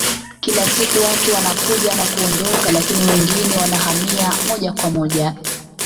Kila siku watu wanakuja na kuondoka lakini wengine wanahamia moja kwa moja